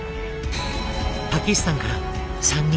パキスタンから３人。